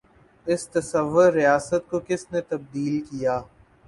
اس تصور ریاست کو کس نے تبدیل کیا؟